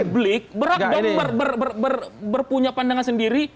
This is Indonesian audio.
publik berak berak berpunya pandangan sendiri